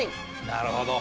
なるほど。